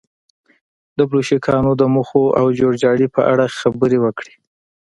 د بلشویکانو د موخو او جوړجاړي په اړه خبرې وکړي.